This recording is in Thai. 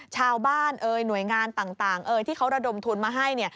ชาวบ้านหน่วยงานต่างที่เขาระดมทุนมาให้